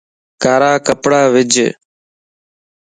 ڪارا ڪپڙا وِج